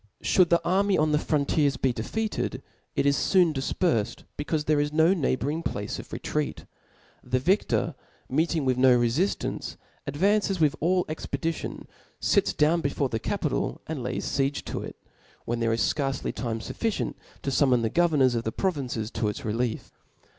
Should the army on the frontiers be defeated, it is foon difperfed, becaufe there is no neighbouring place of retreat. The vic tor^ meeting with no refiftance, advances with all expedition, fits down before the capital, and lays fiege to it, when there is fcarcc time fufficient to fummon the governors of the provinces to its relief.